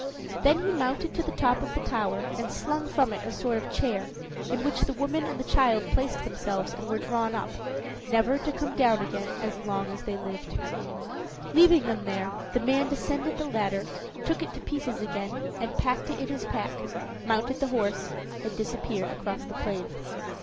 Then he mounted to the top of the tower, and slung from it a sort of chair, in which the woman and the child placed themselves and were drawn up, never to come down again as long as they lived. Leaving them there, the man descended the ladder, took it to pieces again and packed it in his pack, mounted the horse and disappeared across the plain.